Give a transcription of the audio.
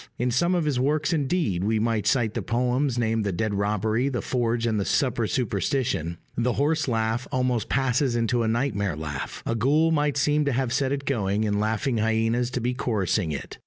In some of his works indeed (we might cite the poems named The Dead Robbery, The Forge, and The Supper Superstition) the horse laugh almost passes into a nightmare laugh. A ghoul might seem to have set it going, and laughing hyenas to be chorusing it.